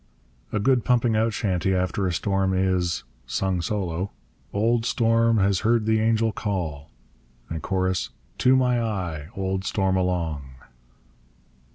A good pumping out chanty after a storm is Solo. Old Storm has heard the angel call. Chorus. To my ay! Old Storm along!